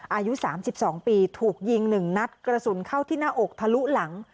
อายุ๓๒ปีถูกยิง๑นัดกระสุนเข้าที่หน้าอกทะลุหลัง